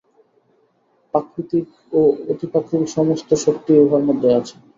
প্রাকৃতিক ও অতি-প্রাকৃতিক সমস্ত শক্তিই উহার মধ্যে আছে।